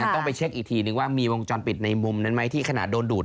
ต้องไปเช็คอีกทีนึงว่ามีวงจรปิดในมุมนั้นไหมที่ขนาดโดนดูด